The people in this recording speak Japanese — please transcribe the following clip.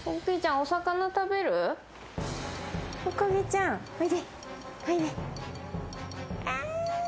お魚食べてみる？